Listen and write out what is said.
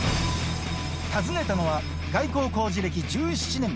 訪ねたのは、外構工事歴１７年。